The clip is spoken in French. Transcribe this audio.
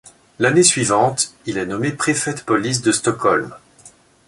L'année suivante, il est nommé préfet de police de Stockholm.